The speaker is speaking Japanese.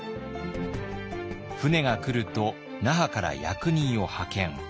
船が来ると那覇から役人を派遣。